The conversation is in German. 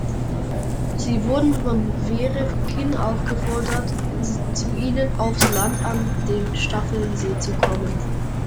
Sie wurden von Werefkin aufgefordert, zu ihnen aufs Land an den Staffelsee zu kommen.